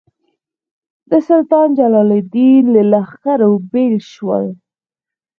د سلطان جلال الدین له لښکرو بېل شول.